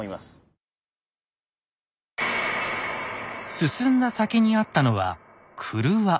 進んだ先にあったのは郭。